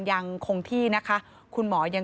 พบหน้าลูกแบบเป็นร่างไร้วิญญาณ